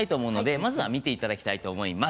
まずは見ていただきたいと思います。